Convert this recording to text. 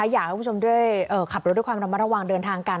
อยากให้คุณผู้ชมด้วยขับรถด้วยความระมัดระวังเดินทางกัน